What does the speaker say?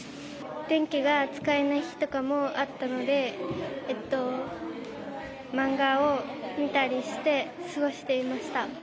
電気が使えない日とかもあったので、漫画を見たりして過ごしていました。